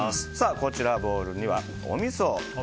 こちら、ボウルにはおみそ。